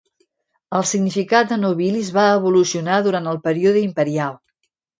El significat de "nobilis" va evolucionar durant el període imperial.